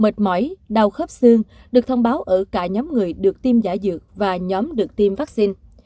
những phản ứng phụ như nhức đầu mệt mỏi đau khớp xương được thông báo ở cả nhóm người được tiêm giả dược và nhóm được tiêm vaccine